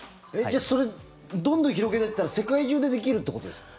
じゃあ、それどんどん広げていったら世界中でできるということですか？